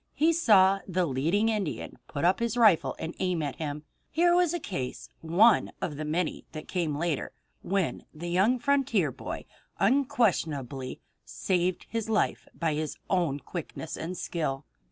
He saw the leading Indian put up his rifle and aim it at him. Here was a case, one of the many that came later, when the young frontier boy unquestionably saved his life by his own quickness and skill.